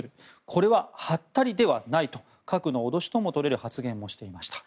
これはハッタリではないと核の脅しともとれる発言もしていました。